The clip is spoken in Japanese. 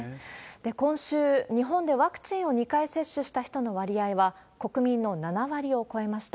今週、日本でワクチンを２回接種した人の割合は国民の７割を超えました。